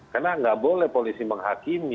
karena tidak boleh polisi menghakimi